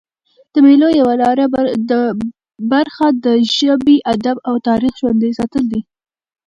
د مېلو یوه برخه د ژبي، ادب او تاریخ ژوندي ساتل دي.